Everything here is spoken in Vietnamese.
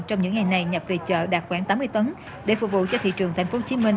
trong những ngày này nhập về chợ đạt khoảng tám mươi tấn để phục vụ cho thị trường thành phố hồ chí minh